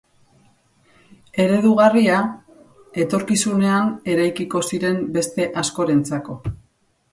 Eredugarria, etorkizunean eraikiko ziren beste askorentzako.